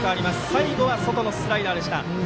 最後は外のスライダーでした。